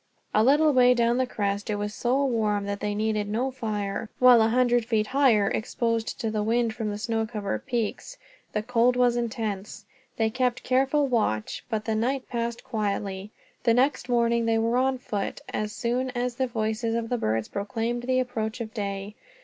A little way down the crest it was so warm that they needed no fire, while a hundred feet higher, exposed to the wind from the snow covered peaks, the cold was intense. They kept careful watch, but the night passed quietly. The next morning they were on foot, as soon as the voices of the birds proclaimed the approach of day.